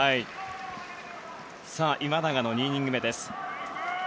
今永の２イニング目です。